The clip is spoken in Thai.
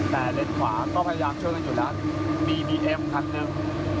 แต่เลนส์ขวาก็พยายามช่วยกันอยู่แล้วมีบีเอ็มคันหนึ่ง